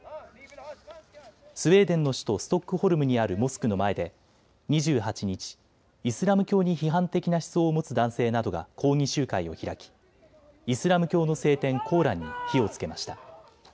スウェーデンの首都ストックホルムにあるモスクの前で２８日、イスラム教に批判的な思想を持つ男性などが抗議集会を開きイスラム教の聖典、コーランに火をつけました。